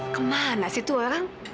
kemana sih tuh orang